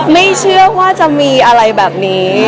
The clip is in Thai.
ไม่เชื่อว่าจะมีอะไรแบบนี้